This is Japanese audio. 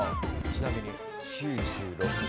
ちなみに。